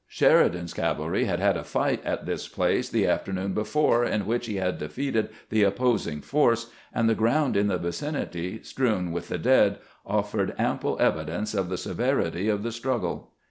Sheridan's cavalry had had a fight at this place the afternoon before, in which he had defeated the opposing force, and the ground in the vicinity, strewn with the dead, offered ample evidence of the severity of the struggle.